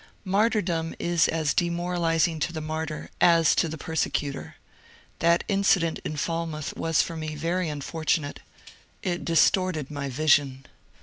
Martyrdom is as demoralizing to the martyr as to the per secutor. That incident in Falmouth was for me very unfortu nate. It distorted my vision.